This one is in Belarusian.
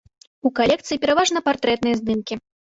У калекцыі пераважна партрэтныя здымкі.